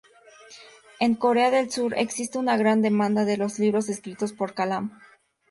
En Corea del Sur existe una gran demanda de los libros escritos por Kalam.